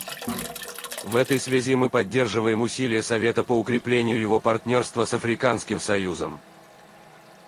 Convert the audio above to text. В этой связи мы поддерживаем усилия Совета по укреплению его партнерства с Африканским союзом.